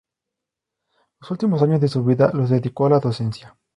Los últimos años de su vida los dedicó a la docencia.